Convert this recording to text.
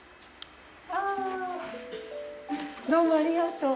どうもありがとう。